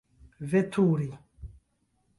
veturi